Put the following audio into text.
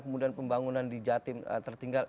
kemudian pembangunan di jatim tertinggal